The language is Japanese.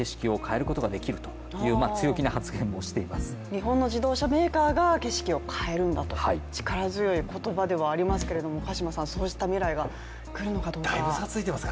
日本の自動車メーカーが景色を変えるんだという力強い言葉ですけど鹿島さん、そういった未来が来るのかどうか。